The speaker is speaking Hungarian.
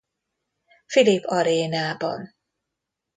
Philip Arénában.